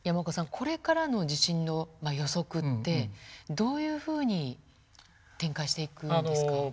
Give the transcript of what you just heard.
これからの地震の予測ってどういうふうに展開していくんですか？